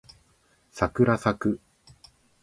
さくらさく